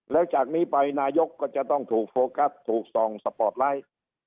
แล้วจากนี้ไปนายกก็จะต้องถูกโฟกัสถูกส่องสปอร์ตไลท์